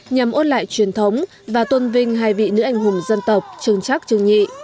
nhằm ôn lại truyền thống và tuân vinh hai vị nữ anh hùng dân tộc trương trắc trương nhị